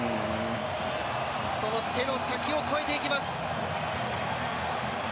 その手の先を越えていきます。